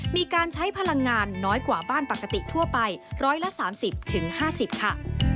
มีการใช้พลังงานน้อยกว่าบ้านปกติทั่วไป๑๓๐๕๐ค่ะ